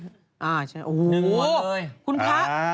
โอ้โหคุณพระ